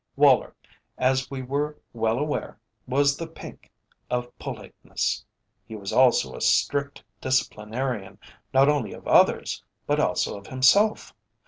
Woller, as we were well aware, was the pink of politeness; he was also a strict disciplinarian, not only of others, but also of himself.